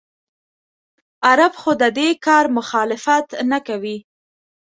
عرب خو د دې کار مخالفت نه کوي.